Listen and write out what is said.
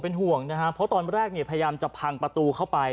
ห่วงนะฮะเพราะตอนแรกเนี่ยพยายามจะพังประตูเข้าไป